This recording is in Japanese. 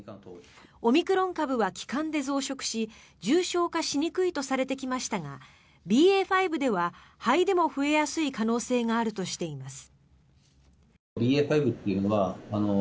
オミクロン株は気管で増殖し重症化しにくいとされてきましたがＢＡ．５では肺でも増えやすい可能性があるとしています。